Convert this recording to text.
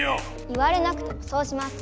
言われなくてもそうします。